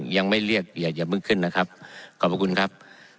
ยังไม่เรียกอย่าเพิ่งขึ้นนะครับขอบพระคุณครับ